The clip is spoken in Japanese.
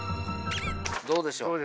どうでしょう？